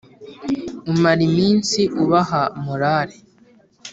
Umara iminsi ubaha morale